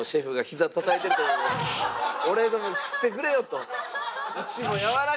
「俺のも食ってくれよ」と。